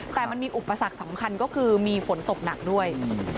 แต่มันมีอุปสรรคสำคัญก็คือมีฝนตกหนักด้วย